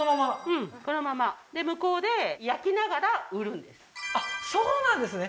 うんこのままで向こうで焼きながら売るんですあっそうなんですね